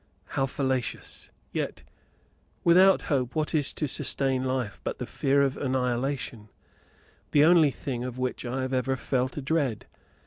How fallacious! yet, without hope, what is to sustain life, but the fear of annihilation the only thing of which I have ever felt a dread.